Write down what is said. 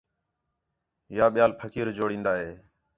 یا ٻِِیال پھقیر جوڑین٘دا ہِے